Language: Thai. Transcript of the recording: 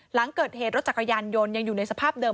หลังเกิดเหตุรถจักรยานยนต์ยังอยู่ในสภาพเดิ